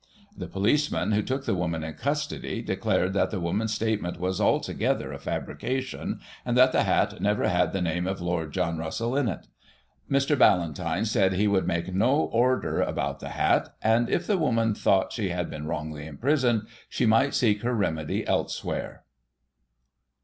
The policeman who took the woman in custody declared that the woman's statement was, altogether, a fabrication, and that the hat never had the name of Lord John Russell in it Mr. Ballantyne said he would make no order about the hat; and, if the woman thought she had been wrongly imprisoned, she might seek her remedy elsewhere.